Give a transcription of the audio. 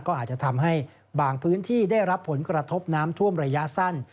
ก็อาจจะทำให้บางพื้นที่ได้รับผลกระทบน้ำท่วมระยะสั้น